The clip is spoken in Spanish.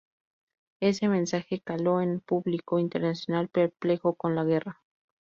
Ese mensaje caló en un público internacional perplejo por la guerra.